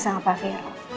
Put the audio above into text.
sama pak fero